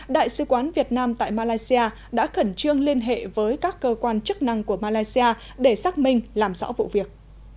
đại sứ quán việt nam tại malaysia đã khẩn trương liên hệ với các cơ quan chức năng của malaysia để xác minh làm rõ vụ việc